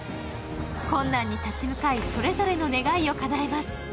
困難に立ち向かい、それぞれの願いをかなえます。